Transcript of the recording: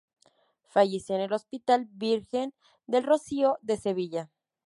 Falleció en el hospital Virgen del Rocío, de Sevilla.